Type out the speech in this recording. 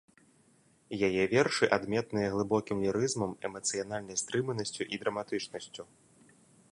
Яе вершы адметныя глыбокім лірызмам, эмацыянальнай стрыманасцю і драматычнасцю.